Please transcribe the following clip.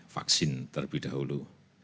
vaksin terlebih dahulu